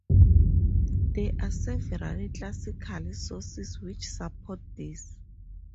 There are several classical sources which support this.